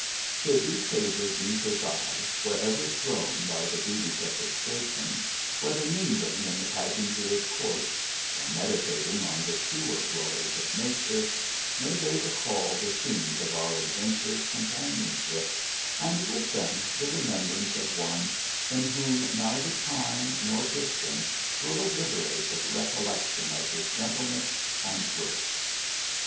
Should these pages meet his eye, wherever thrown by the duties of his station, whether mingling in the pageantry of courts or meditating on the truer glories of nature, may they recall the scenes of our adventurous com panionship, and with them the remembrance of one, in whom neither time nor distance will obliterate the recollection of his gentleness and worth.